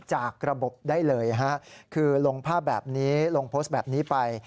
จากระบบได้เลยฮะคือลงภาพแบบนี้ลงโพสต์แบบนี้ไป